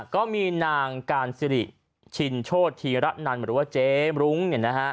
ก็มีนางการสิริชินโชษทีระนันหรือว่าเจ๊รุ้งเนี้ยนะฮะ